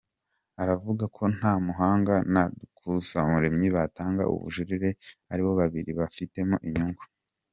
Aravuga ko Ntamuhanga na Dukuzumuremyi batanga ubujurire ari bo bari babufitemo inyungu.